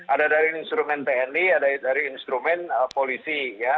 ada dari instrumen tni ada dari instrumen polisi